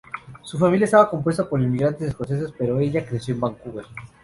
Su familia estaba compuesta por inmigrantes escoceses pero ella creció en Vancouver.